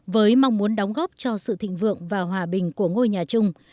với mong muốn đóng góp cho sự thịnh vượng và hòa bình của ngôi nhà chung